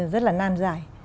rất là nam dài